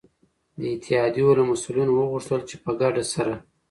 د اتحادیو له مسؤلینو وغوښتل چي په ګډه سره